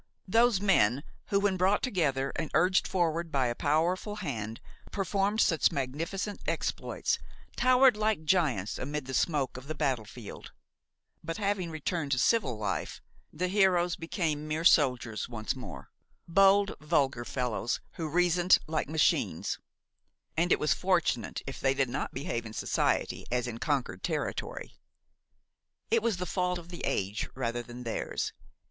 Those men who, when brought together and urged forward by a powerful hand, performed such magnificent exploits, towered like giants amid the smoke of the battle field; but, having returned to civil life, the heroes became mere soldiers once more, bold, vulgar fellows who reasoned like machines; and it was fortunate if they did not behave in society as in conquered territory. It was the fault of the age rather than theirs.